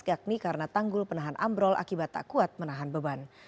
yakni karena tanggul penahan ambrol akibat tak kuat menahan beban